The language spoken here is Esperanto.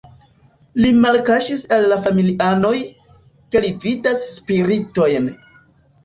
Li malkaŝis al la familianoj, ke li vidas spiritojn.